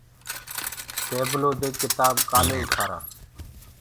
ٽيبلو دي ڪِتآب ڪآلي اُٽآرآ۔